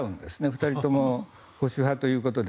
２人とも保守派ということで。